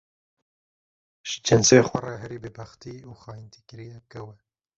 ji cinsê xwe re herî bêbextî û xayîntî kiriye kew e.